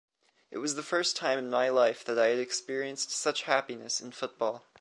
It was the first time in my life that I had experienced such happiness in football